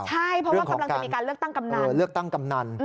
ใช่เพราะว่ากำลังจะมีการเลือกตั้งกำนัน